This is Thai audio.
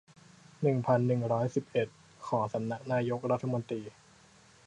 หนึ่งพันหนึ่งร้อยสิบเอ็ด ของสำนักนายกรัฐมนตรี